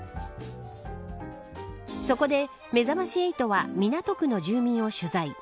そこで、めざまし８は港区の住民を取材。